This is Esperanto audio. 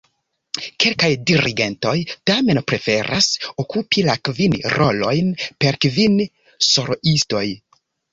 Kelkaj dirigentoj tamen preferas okupi la kvin rolojn per kvin soloistoj.